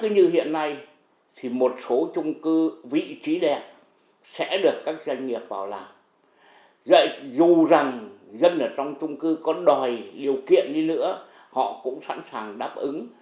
như hiện nay thì một số trung cư vị trí đẹp sẽ được các doanh nghiệp vào làm dù rằng dân ở trong trung cư có đòi điều kiện đi nữa họ cũng sẵn sàng đáp ứng